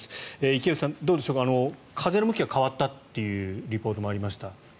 池内さん、どうでしょうか風の向きが変わったというリポートもありました。